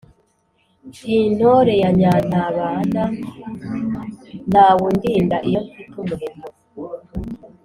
ndi intore ya nyantabana, ntawe undinda iyo mfite umuheto.